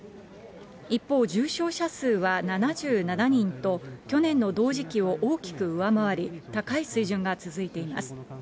一方、重症者数は７７人と、去年の同時期を大きく上回り、高い水準が続いています。